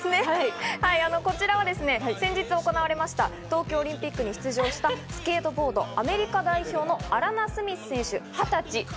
こちらは先日行われました東京オリンピックに出場したスケートボード・アメリカ代表のアラナ・スミス選手２０歳。